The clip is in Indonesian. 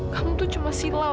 kamu tuh cuma silau